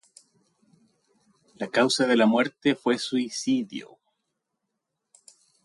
La causa de la muerte fue suicidio.